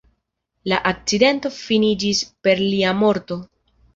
La akcidento finiĝis per lia morto.